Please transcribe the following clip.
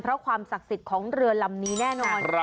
เพราะความศักดิ์สิทธิ์ของเรือลำนี้แน่นอน